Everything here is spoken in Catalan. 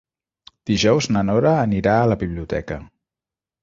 Dijous na Nora anirà a la biblioteca.